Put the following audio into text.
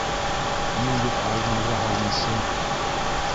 Мин бит алдынғы һауынсы!